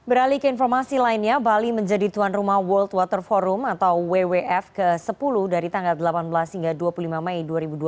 beralih ke informasi lainnya bali menjadi tuan rumah world water forum atau wwf ke sepuluh dari tanggal delapan belas hingga dua puluh lima mei dua ribu dua puluh empat